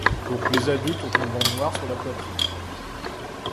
Les adultes ont une bande noire sur la poitrine.